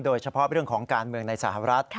โดยเฉพาะเรื่องของการเมืองในสหรัฐ